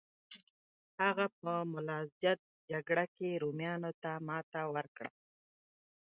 هغه په ملازجرد جګړه کې رومیانو ته ماتې ورکړه.